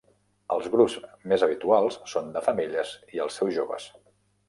Els grups mes habituals són de femelles i els seus joves.